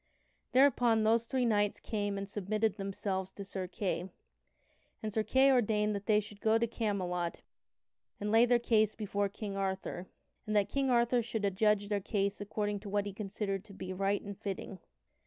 Thereupon those three knights came and submitted themselves to Sir Kay, and Sir Kay ordained that they should go to Camelot and lay their case before King Arthur, and that King Arthur should adjudge their case according to what he considered to be right and fitting.